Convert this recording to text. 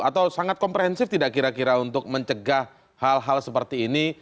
atau sangat komprehensif tidak kira kira untuk mencegah hal hal seperti ini